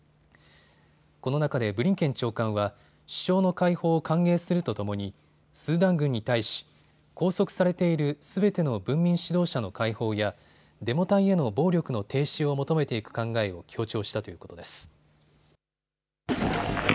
この中でブリンケン長官は首相の解放を歓迎するとともにスーダン軍に対し拘束されているすべての文民指導者の解放やデモ隊への暴力の停止を求めていく考えを強調したということです。